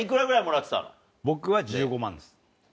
僕は１５万です。